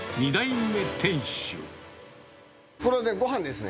これはごはんですね。